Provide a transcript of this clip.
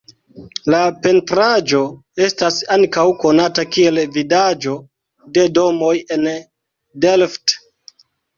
La pentraĵo estas ankaŭ konata kiel Vidaĵo de domoj en Delft.